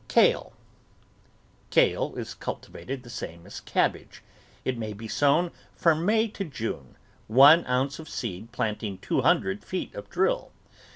KALE Kale is cultivated the same as cabbage. It may be sown from IVIay to June, one ounce of seed planting two hundred feet of drill.